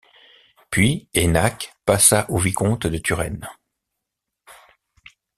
Puis Aynac passa au vicomte de Turenne.